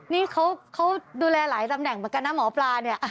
นี่เขาดูแลหลายตำแหน่งเหมือนกันนะหมอปลาเนี่ย